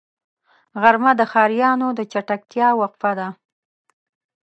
غرمه د ښاريانو د چټکتیا وقفه ده